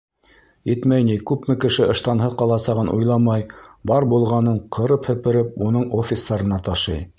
Етмәй ни, күпме кеше ыштанһыҙ ҡаласағын уйламай, бар булғанын ҡырып-һепереп уның офистарына ташый.